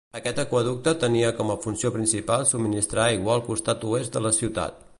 Aquest aqüeducte tenia com a funció principal subministrar aigua al costat oest de la ciutat.